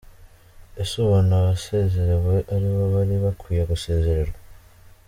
Ese ubona abasezerewe aribo bari bakwiye gusezererwa?.